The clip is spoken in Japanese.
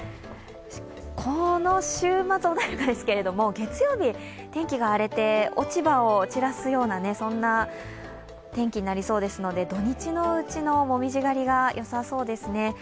この週末、穏やかなんですけれども月曜日、天気が荒れて落ち葉を散らすような天気になりそうですので土日のうちの紅葉狩りがよさそうですね。